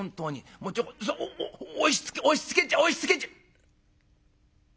もうちょこおっおっ押しつけ押しつけちゃ押しつけちゃ」。